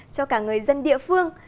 cho cả người dân địa phương